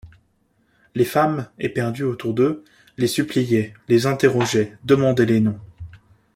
Les femmes, éperdues autour d’eux, les suppliaient, les interrogeaient, demandaient les noms.